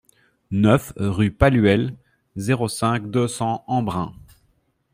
neuf rue Palluel, zéro cinq, deux cents Embrun